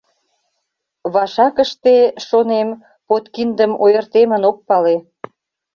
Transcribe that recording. Вашакыште, шонем, подкиндым ойыртемын ок пале.